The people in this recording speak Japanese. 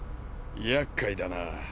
やっかいだな。